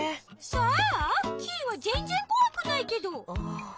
そう？キイはぜんぜんこわくないけど。